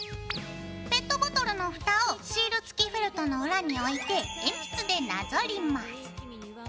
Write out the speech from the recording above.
ペットボトルのふたをシール付きフェルトの裏に置いて鉛筆でなぞります。